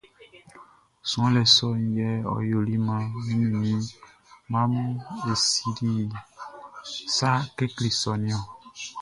Suanlɛ sɔʼn yɛ ɔ yoli maan mi ni mi mma mun e sinnin sa kekle sɔʼn nun ɔn.